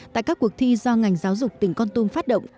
tại các cuộc thi do ngành giáo dục tỉnh con tum phát động